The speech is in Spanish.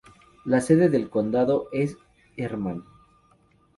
La sede del condado es Hermann.